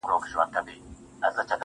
گراني زر واره درتا ځار سمه زه,